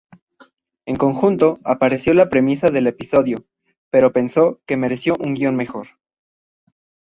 En conjunto, apreció la premisa del episodio, pero pensó que "mereció un guion mejor".